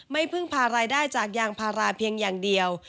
พึ่งพารายได้จากยางพาราเพียงอย่างเดียว